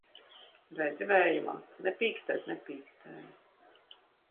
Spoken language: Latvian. Redzi, Vēja māt! Ne pīkstēt nepīkstēju!